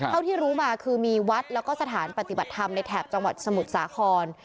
เท่าที่รู้มาคือมีวัดแล้วก็สถานปฏิบัติธรรมในแถบจังหวัดสมุทรสาคร